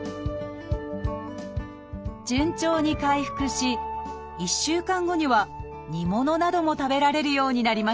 順調に回復し１週間後には煮物なども食べられるようになりました